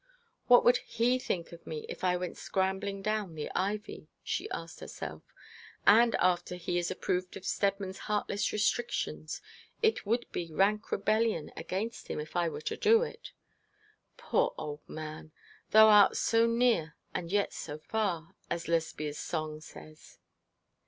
'What would he think of me if I went scrambling down the ivy?' she asked herself; 'and after he has approved of Steadman's heartless restrictions, it would be rank rebellion against him if I were to do it. Poor old man, "Thou art so near and yet so far," as Lesbia's song says.'